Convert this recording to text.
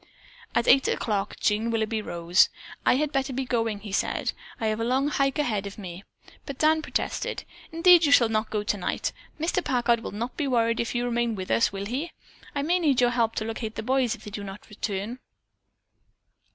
At eight o'clock Jean Willoughby rose. "I had better be going," he said. "I have a long hike ahead of me." But Dan protested. "Indeed you shall not go tonight. Mr. Packard will not be worried if you remain with us, will he? I may need your help to locate the boys if they do not soon return."